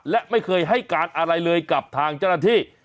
และไม่เคยให้การอะไรเลยกับทางเจ้าหน้าที่